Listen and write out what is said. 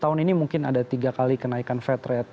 tahun ini mungkin ada tiga kali kenaikan fed rate